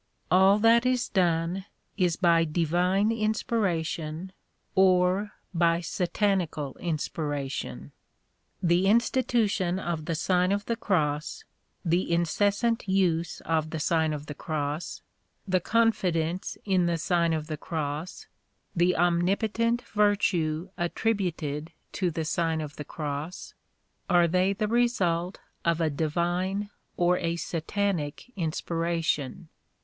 All that is done, is by divine inspiration or by satanical inspiration. The institution of the Sign of the Cross, the incessant use of the Sign of 20 230 The Sign of the Cross the Cross, the confidence in the Sign of the Cross, the omn potent virtue attributed to the Si^n of the Cioss are they the result of a divine or a satanic inspiration?